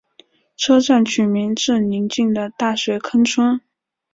车站取名自邻近的大水坑村。